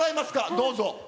どうぞ。